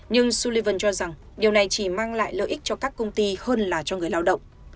nhưng sullivan cho rằng điều này chỉ mang lại lợi ích cho các công ty hơn là cho người lao động